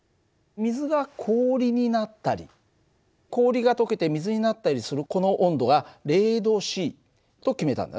水が氷になったり氷がとけて水になったりするこの温度が０℃と決めたんだね。